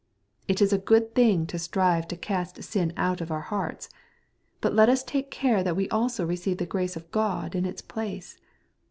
It is a good thing to strive to cast sin out of oui hearts. But let us take care that we also receive the grace of God in its place.